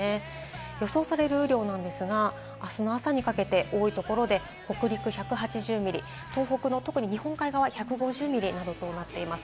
予想される雨量ですが、あすの朝にかけて多いところで北陸１８０ミリ、東北の特に日本海側１５０ミリなどとなっています。